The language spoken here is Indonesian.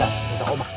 tuh ini kita obat